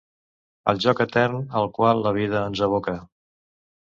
El joc etern al qual la vida ens aboca.